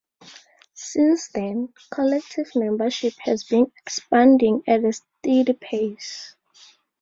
Since then, collective membership has been expanding at a steady pace.